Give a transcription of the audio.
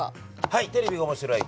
「はいテレビが面白い。